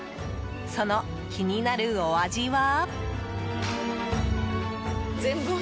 その気になるお味は？